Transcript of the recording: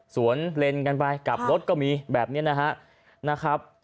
เลนกันไปกลับรถก็มีแบบนี้นะครับ